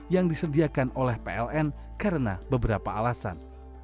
yang disediakan oleh pln karena beberapa alasan